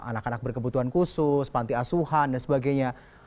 anak anak berkebutuhan khusus panti asuhan dan sebagainya